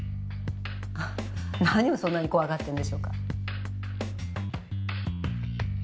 何をそんなに怖がってるんでしょうか？